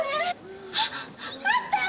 あっあった！